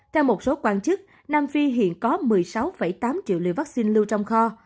theo một số quan chức nam phi hiện có một mươi sáu tám triệu liều vaccine lưu trong kho